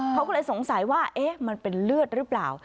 เขาก็เลยสงสัยว่ามันเป็นเลือดหรือเปล่า